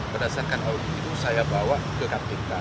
berdasarkan audit itu saya bawa ke kpk